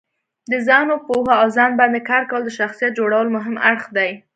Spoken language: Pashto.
د ځانو پوهه او ځان باندې کار کول د شخصیت جوړولو مهم اړخ دی.